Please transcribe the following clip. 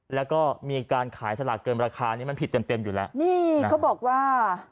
แล้วก็มีการขายสลากเกินราคานี้มันผิดเต็มเต็มอยู่แล้วนี่เขาบอกว่า